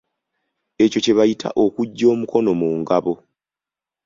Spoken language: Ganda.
Ekyo kye bayita okuggya omukono mu ngabo.